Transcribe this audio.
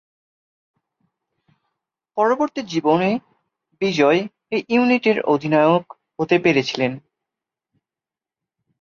পরবর্তী জীবনে বিজয় এই ইউনিটের অধিনায়ক হতে পেরেছিলেন।